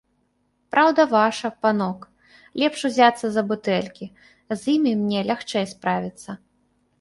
Праўда ваша, панок, лепш узяцца за бутэлькі, з імі мне лягчэй справіцца.